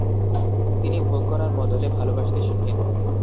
তিনি ভোগ করার বদলে ভালোবাসতে শেখেন।